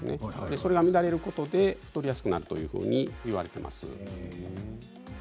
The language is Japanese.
それが乱れることで太りやすくなるといわれています。